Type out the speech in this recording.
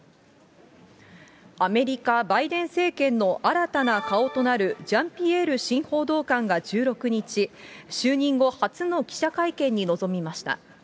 アメリカ、バイデン政権の新たな顔となるジャンピエール新報道官が１６日、就任後初の記者会見に臨みました。